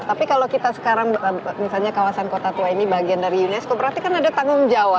tapi kalau kita sekarang misalnya kawasan kota tua ini bagian dari unesco berarti kan ada tanggung jawab